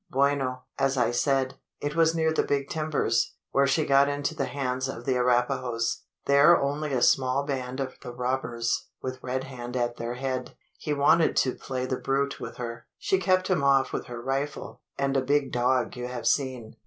Bueno! As I said, it was near the Big Timbers, where she got into the hands of the Arapahoes. There was only a small band of the robbers, with Red Hand at their head. He wanted to play the brute with her. She kept him off with her rifle, and a big dog you have seen.